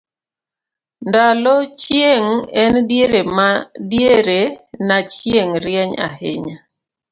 ndalo chieng' en diere na chieng' rieny ahinya